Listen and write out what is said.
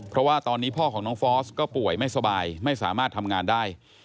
เพราะว่าตอนนี้พ่อของน้องฟอสก็ป่วยไม่สบายไม่สามารถทำงานได้